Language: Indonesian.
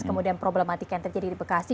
kemudian problematika yang terjadi di bekasi